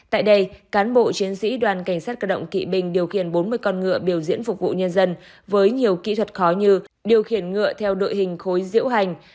tại đây cán bộ chiến sĩ đoàn cảnh sát cơ động kỵ binh điều khiển bốn mươi con ngựa biểu diễn phục vụ nhân dân